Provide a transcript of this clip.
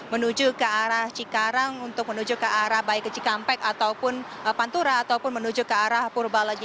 menuju ke arah cikarang untuk menuju ke arah baik ke cikampek ataupun pantura ataupun menuju ke arah purbalenyi